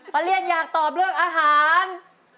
เรียนอยากตอบเรื่องอาหาร